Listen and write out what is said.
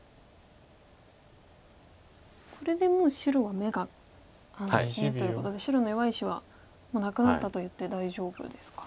これでもう白は眼が安心ということで白の弱い石はなくなったといって大丈夫ですか。